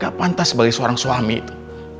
gak pantas sebagai seorang suami itu